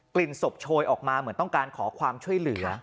ศพโชยออกมาเหมือนต้องการขอความช่วยเหลือ